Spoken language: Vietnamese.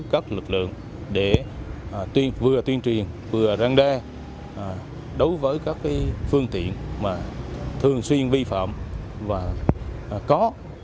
các lực lượng để vừa tuyên truyền vừa răng đe đối với các phương tiện mà thường xuyên vi phạm và có